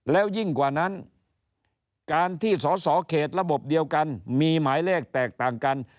แล้วยิ่งกว่านั้นการที่สอสอเขตระบบเดียวกันมีหมายเลขแตกต่างกัน